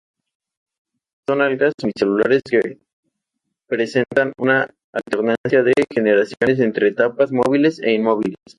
Son algas unicelulares que presentan una alternancia de generaciones entre etapas móviles e inmóviles.